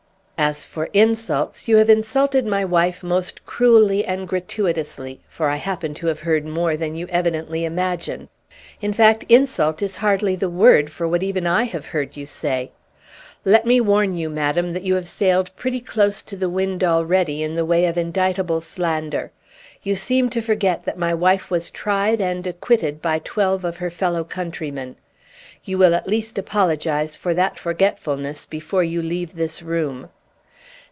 As for insults, you have insulted my wife most cruelly and gratuitously, for I happen to have heard more than you evidently imagine. In fact, 'insult' is hardly the word for what even I have heard you say; let me warn you, madam, that you have sailed pretty close to the wind already in the way of indictable slander. You seem to forget that my wife was tried and acquitted by twelve of her fellow countrymen. You will at least apologize for that forgetfulness before you leave this room."